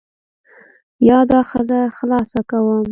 یا دا ښځه خلاصه کوم.